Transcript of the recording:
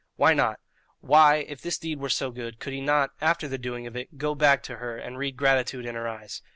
Why not? Why, if this deed were so good, could he not, after the doing of it, go back to her and read gratitude in her eyes?